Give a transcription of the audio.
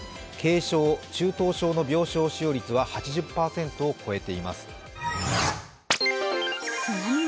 軽症、中等症の病床使用率は８０％を超えています。